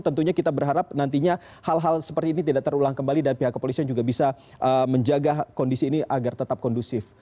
tentunya kita berharap nantinya hal hal seperti ini tidak terulang kembali dan pihak kepolisian juga bisa menjaga kondisi ini agar tetap kondusif